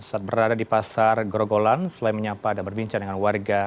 saat berada di pasar grogolan selain menyapa dan berbincang dengan warga